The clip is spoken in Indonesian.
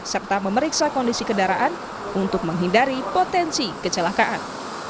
serta memeriksa kondisi kendaraan untuk menghindari potensi kecelakaan